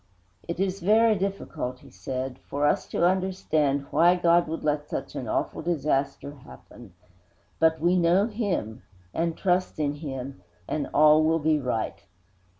'It is very difficult,' he said, 'for us to understand why God should let such an awful disaster happen, but we know Him, and trust Him, and all will be right.